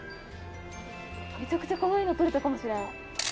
めちゃくちゃかわいいの撮れたかもしれん。